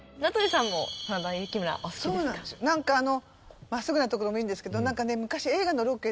なんかあの真っすぐなところもいいんですけどなんかね。